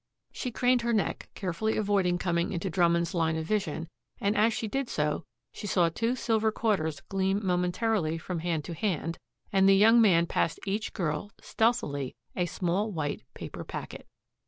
She craned her neck, carefully avoiding coming into Drummond's line of vision, and as she did so she saw two silver quarters gleam momentarily from hand to hand, and the young man passed each girl stealthily a small white paper packet.